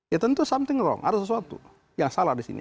ya tentu something wrong ada sesuatu yang salah di sini